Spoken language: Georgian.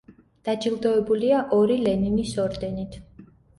დაჯილდოებულია ორი ლენინის ორდენით.